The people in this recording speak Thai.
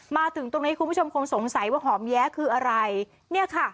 มาถึงตรงนี้คุณผู้ชมคงสงสัยว่าหอมแย้คืออะไรเนี่ยค่ะ